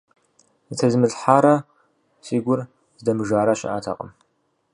Зытезмылъхьарэ си гур здэмыжарэ щыӀэтэкъым.